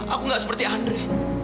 aku gak seperti andre